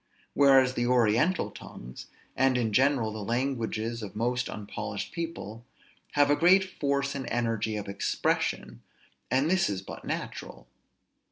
Whereas the Oriental tongues, and in general the languages of most unpolished people, have a great force and energy of expression, and this is but natural.